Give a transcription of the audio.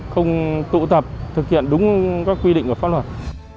không tụ tập thực hiện đúng các quy định của pháp luật